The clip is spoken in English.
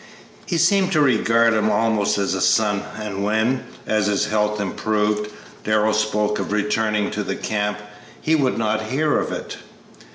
He seemed to regard him almost as a son, and when, as his health improved, Darrell spoke of returning to the camp, he would not hear of it.